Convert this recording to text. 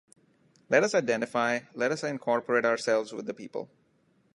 Let us identify, let us incorporate ourselves with the people.